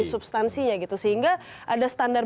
substansinya sehingga ada standar